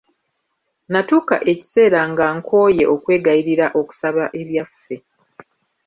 Natuuka ekiseera nga nkooye okwegayirira okusaba ebyaffe.